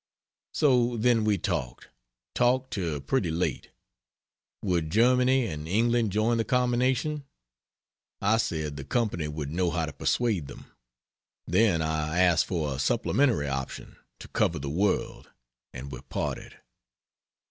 So then we talked talked till pretty late. Would Germany and England join the combination? I said the Company would know how to persuade them. Then I asked for a Supplementary Option, to cover the world, and we parted.